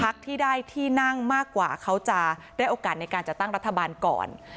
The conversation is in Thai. พักที่ได้ที่นั่งมากกว่าเขาจะได้โอกาสในการจัดตั้งรัฐบาลก่อน